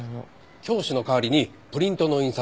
教師の代わりにプリントの印刷